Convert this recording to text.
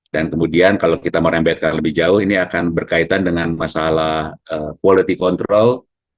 dan kemudian kalau kita merembetkan lebih jauh ini akan berkaitan dengan masalah quality control